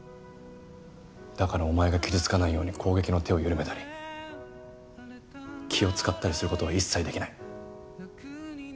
だからお前が傷つかないように攻撃の手を緩めたり気を使ったりする事は一切できない。